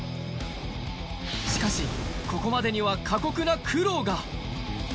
しかし、ここまでには過酷な苦労が。